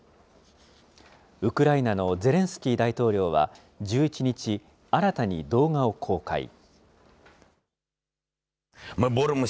ウクライナのゼレンスキー大統領は１１日、新たに動画を公開。